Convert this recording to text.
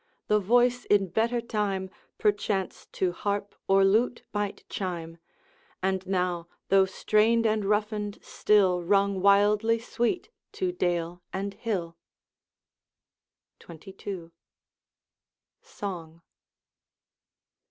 the voice, in better time, Perchance to harp or lute might chime; And now, though strained and roughened, still Rung wildly sweet to dale and hill. XXII. Song.